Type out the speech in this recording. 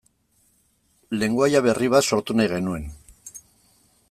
Lengoaia berri bat sortu nahi genuen.